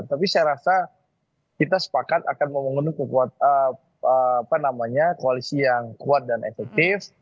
tapi saya rasa kita sepakat akan memenuhi koalisi yang kuat dan efektif